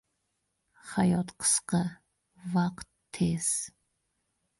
• Hayot qisqa, vaqt tez.